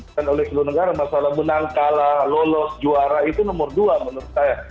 dan oleh seluruh negara masalah menang kalah lolos juara itu nomor dua menurut saya